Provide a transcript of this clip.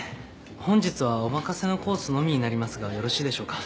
本日はお任せのコースのみになりますがよろしいでしょうか？